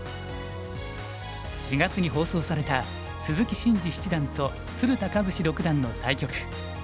４月に放送された鈴木伸二七段と鶴田和志六段の対局。